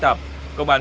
thuộc xã ba tiêu